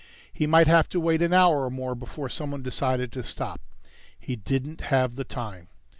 He might have to wait an hour or more before someone decided to stop. He didn't have the time.